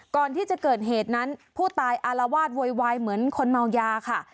ก่อนที่จะเกิดเหตุนั้นผู้ตายอารวาสโวยวายเหมือนคนเมายาค่ะ